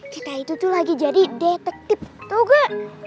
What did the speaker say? kita itu tuh lagi jadi detektif tau gak